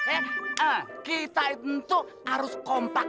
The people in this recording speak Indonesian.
eh kita itu harus kompak